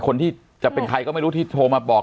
คนที่จะเป็นใครก็ไม่รู้ที่โทรมาบอก